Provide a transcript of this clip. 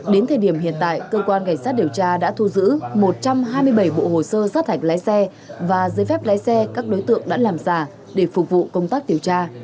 đến thời điểm hiện tại cơ quan cảnh sát điều tra đã thu giữ một trăm hai mươi bảy bộ hồ sơ sát hạch lái xe và giấy phép lái xe các đối tượng đã làm giả để phục vụ công tác điều tra